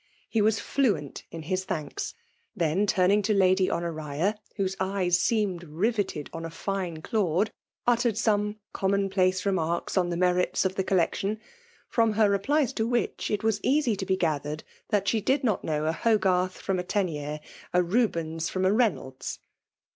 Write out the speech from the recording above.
He was fluent in his thanks ;— then, turning to Lady Honoria, whose eyes seemed riveted on a fine Claude, uttered some commonplace remarks on the merits of the collection, from her replies to which it vms easy to be gathered that she did not know a Hogarth from a Teniers, a Rubens from a Beynolds.